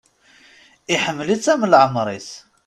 Iḥemmel-itt am leɛmer-is.